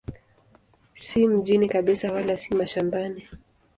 Si mjini kabisa wala si mashambani.